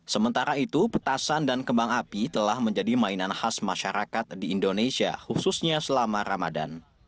sementara itu petasan dan kembang api telah menjadi mainan khas masyarakat di indonesia khususnya selama ramadan